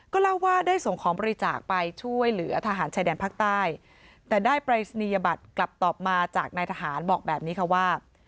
เล่าว่าได้ส่งของบริจาคไปช่วยเหลือทหารชายแดนภาคใต้แต่ได้ปรายศนียบัตรกลับตอบมาจากนายทหารบอกแบบนี้ค่ะว่า